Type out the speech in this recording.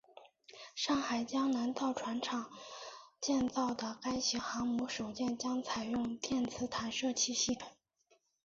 上海江南造船厂建造的该型航母首舰将采用电磁弹射器系统。